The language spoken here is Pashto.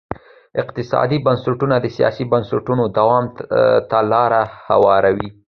اقتصادي بنسټونه د سیاسي بنسټونو دوام ته لار هواروي.